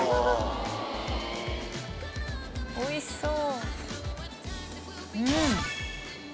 おいしそう！